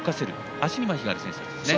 足にまひがある選手ですね。